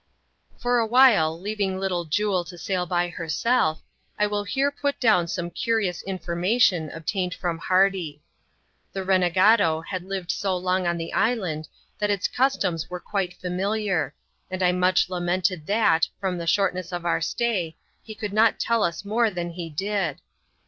i while leaving Little Jule to sail away by herself, I will [>i]t down some curious information obtained from Hardy, e ren^ado had lived so long on the island, that its ens were quite familiar ; and I much lamented that, from the less of our stay, he could not tell us more than he did.